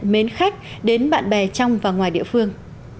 mến khách đến bạn bè trong và ngoài địa phương